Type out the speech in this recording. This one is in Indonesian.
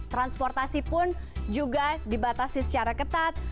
transportasi pun juga dibatasi secara ketat